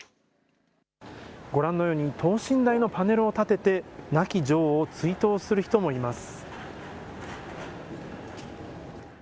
ご覧のように等身大のパネルを立てて、亡き女王を追悼する人もいます。